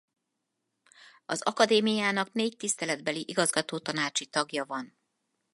Az Akadémiának négy tiszteletbeli igazgatótanácsi tagja van.